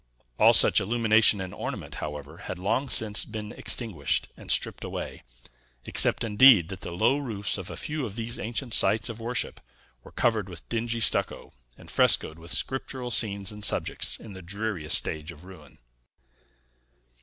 All such illumination and ornament, however, had long since been extinguished and stript away; except, indeed, that the low roofs of a few of these ancient sites of worship were covered with dingy stucco, and frescoed with scriptural scenes and subjects, in the dreariest stage of ruin.